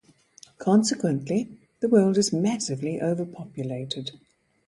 Consequently, the world is massively overpopulated.